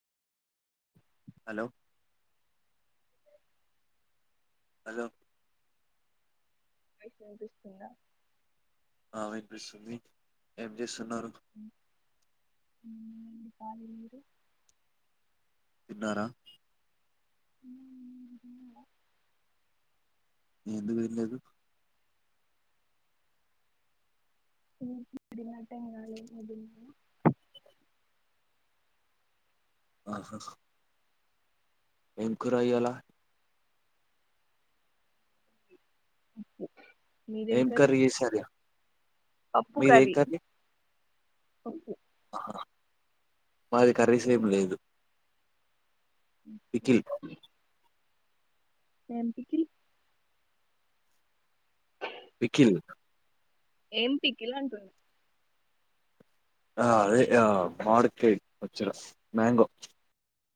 hello hello మీకు వినిపిస్తుంద ఆ వినిపిస్తుంది మీకు ఏమ్ చేసు న్నారు మ్మ్ పాలిరు తిన్నారా అ ఎందుకు తినలేదు ఈ [inaudible] మడినట కాల అ తిన్న ఆహా ఎం కూర ఇయ్యలా పప్పు ఏం కర్రీ చేసారు పప్పు కర్రీ ఓకే నాది కర్రీస్ ఏం లేదు ఇడ్లీ ఏం పికిల్ పికిల్ ఎం పికిల్ అంటున్న ఆ అదే మామిడికాయ పచ్చడ మ్యాంగో